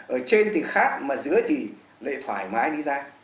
ở trên thì khát mà dưới thì thoải mái